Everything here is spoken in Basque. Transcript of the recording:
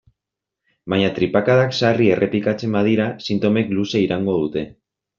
Baina tripakadak sarri errepikatzen badira, sintomek luze iraungo dute.